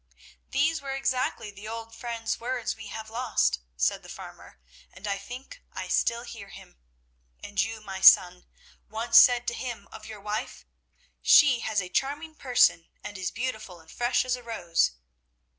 "These were exactly the old friend's words we have lost," said the farmer, "and I think I still hear him. And you, my son, once said to him of your wife, 'She has a charming person, and is beautiful and fresh as a rose.'